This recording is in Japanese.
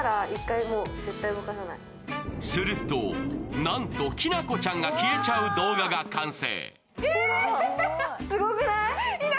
すると、なんときなこちゃんが消える動画が完成。